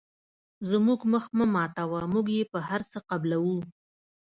زموږ مخ مه ماتوه موږ یې په هر څه قبلوو.